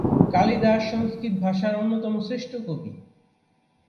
কালিদাস সংস্কৃত ভাষার অন্যতম শ্রেষ্ঠ কবি।